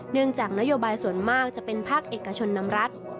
จากนโยบายส่วนมากจะเป็นภาคเอกชนนำรัฐ